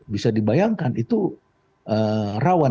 bisa dibayangkan itu rawan